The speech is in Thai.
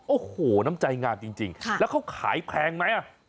โอ้โหน้ำใจงามจริงจริงค่ะแล้วเขาขายแพงไหมอ่ะ